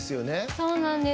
そうなんです。